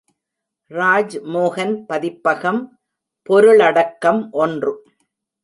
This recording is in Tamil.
ராஜ்மோகன் பதிப்பகம் பொருளடக்கம் ஒன்று.